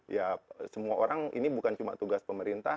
ya semua orang ini bukan cuma tugas pemerintah